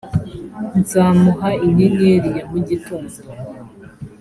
nzamuha inyenyeri ya mu gitondo